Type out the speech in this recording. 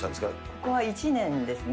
ここは１年ですね。